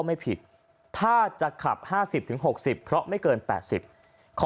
ไม่ผิดถ้าจะขับห้าสิบถึงหกสิบเพราะไม่เกินแปดสิบขอ